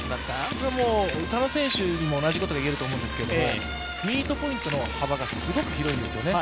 佐野選手にも同じことがいえると思うんですけれども、ミートポイントの幅がすごく広いんですよね。